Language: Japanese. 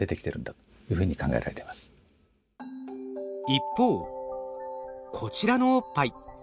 一方こちらのおっぱい